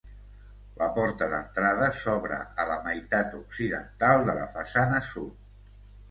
La porta d'entrada s'obre a la meitat occidental de la façana sud.